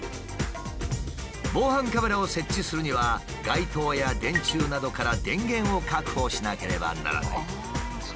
防犯カメラを設置するには街灯や電柱などから電源を確保しなければならない。